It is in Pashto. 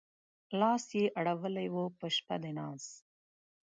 لاس يې اړولی و په شپه د ناز